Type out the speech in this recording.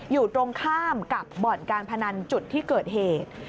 อยู่ตรงข้ามกับบ่อนการพนันจุดที่เกิดเหตุ